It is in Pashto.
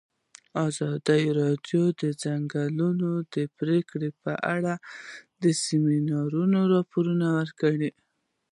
ازادي راډیو د د ځنګلونو پرېکول په اړه د سیمینارونو راپورونه ورکړي.